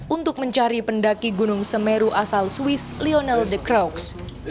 untuk mencari pendaki gunung semeru asal swiss lionel the crowks